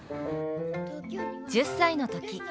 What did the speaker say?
１０歳の時。